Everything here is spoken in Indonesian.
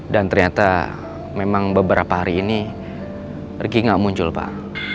dan ternyata memang beberapa hari ini ricky gak muncul pak